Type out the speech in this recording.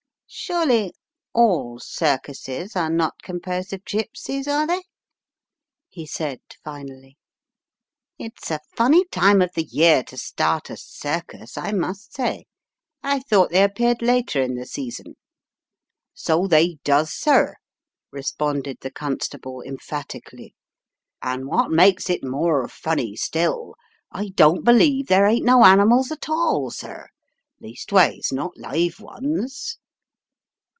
Surely all circuses are not composed of gypsies, are they?" he said, finally. 860 The Riddle of the Purple Emperor "It's a funny time of the year to start a circus, I must say. I thought they appeared later in the season!" "So they does, sir," responded the Constable, emphatically, "an* what makes it more funny still, I don't believe there ain't no animals at all, sir — leastways, not live ones."